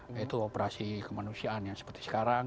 yaitu operasi kemanusiaan yang seperti sekarang